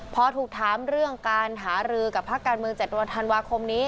พอถูกถามเรื่องการหารือกับภาคการเมือง๗วันธันวาคมนี้